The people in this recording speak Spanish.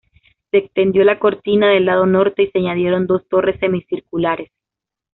Se extendió la cortina del lado norte y se añadieron dos torres semicirculares.